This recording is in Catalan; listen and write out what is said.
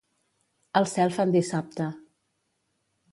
Al cel fan dissabte.